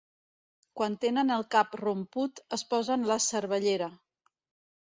Quan tenen el cap romput es posen la cervellera.